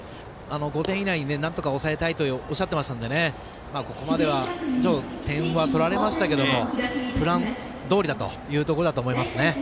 ５点以内になんとか抑えたいとおっしゃっていましたのでここまでは取られましたけどプランどおりだというところだと思いますね。